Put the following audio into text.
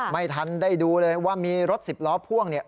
ไม่ทันได้ดูเลยว่ามีรถสิบล้อพ่วงเนี่ย